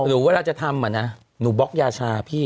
เวลาจะทำอะนะหนูบล็อกยาชาพี่